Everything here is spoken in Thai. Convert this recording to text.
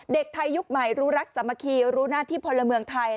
เด็กไทยยุคใหม่รู้รักสามัคคีรู้หน้าที่พลเมืองไทย